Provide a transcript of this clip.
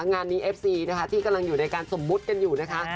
งานนี้เอฟซีนะคะที่กำลังอยู่ในการสมมุติกันอยู่นะคะ